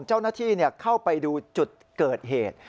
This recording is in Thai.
เจ้าหน้าที่เข้าไปดูจุดเกิดเหตุ